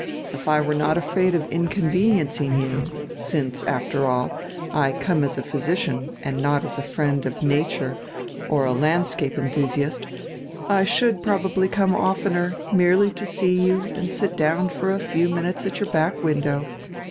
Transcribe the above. If I were not afraid of inconveniencing you, — since, after all, I come as a physi cian and not as a friend of nature or a landscape endiusiast, — I should probably come oftener, merely to see you and sit down for a few minutes at your back window.